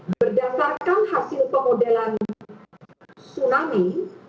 berdasarkan hasil pemodelan tsunami